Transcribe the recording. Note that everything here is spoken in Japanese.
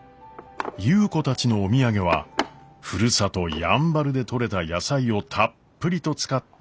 優子たちのお土産はふるさとやんばるで取れた野菜をたっぷりと使ったお弁当でした。